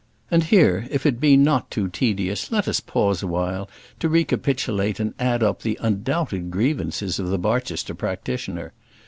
And here, if it be not too tedious, let us pause a while to recapitulate and add up the undoubted grievances of the Barchester practitioner.